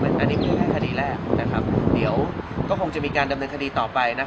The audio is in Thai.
อันนี้คือเรื่องคดีแรกเดี๋ยวก็คงจะมีการดำเนินคดีต่อไป